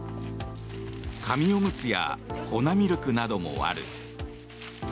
紙おむつや粉ミルクなどもある。